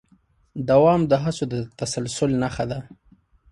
دوام د هڅو د تسلسل نښه ده.